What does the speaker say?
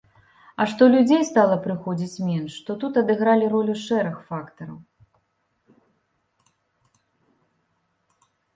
А што людзей стала прыходзіць менш, то тут адыгралі ролю шэраг фактараў.